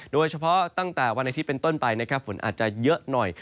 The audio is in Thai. โดยเฉพาะตั้งแต่วันอาทิตย์เป็นต้นไปฝนอาจจะเยอะหน่อย